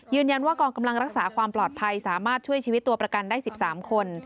ว่ากองกำลังรักษาความปลอดภัยสามารถช่วยชีวิตตัวประกันได้๑๓คน